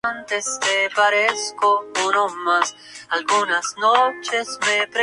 Se renovaron los cargos políticos del Poder Ejecutivo y del Poder Legislativo.